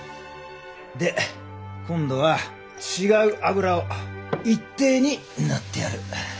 で今度は違う油を一定に塗ってやる。